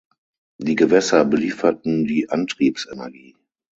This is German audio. Die Gewässer lieferten die Antriebsenergie.